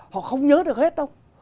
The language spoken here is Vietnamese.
họ không nhớ được hết đâu